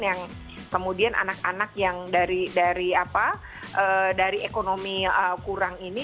yang kemudian anak anak yang dari ekonomi kurang ini